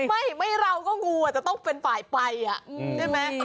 ไม่เราก็งูอาจจะต้องเป็นฝ่ายไปใช่ไหม